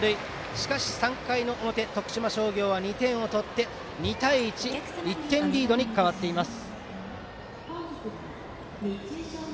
しかし３回の表徳島商業は２点を取って２対１と１点リードに変わっています。